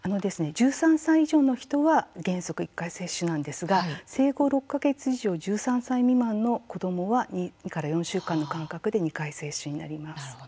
１３歳以上の人は原則、１回接種なんですが生後６か月以上１３歳未満の子どもは２から４週間の間隔で２回接種になります。